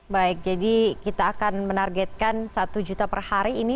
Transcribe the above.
baik jadi kita akan menargetkan satu juta per hari ini